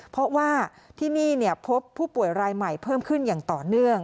เพราะว่าที่นี่พบผู้ป่วยรายใหม่เพิ่มขึ้นอย่างต่อเนื่อง